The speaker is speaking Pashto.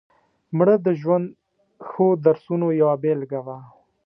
مړه د ژوند ښو درسونو یوه بېلګه وه